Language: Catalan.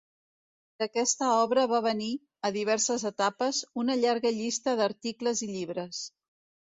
D'aquesta obra va venir, a diverses etapes, una llarga llista d'articles i llibres.